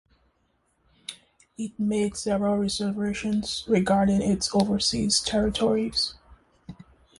It made several reservations regarding its overseas territories.